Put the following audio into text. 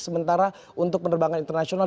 sementara untuk penerbangan internasional